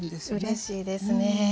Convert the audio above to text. うれしいですね。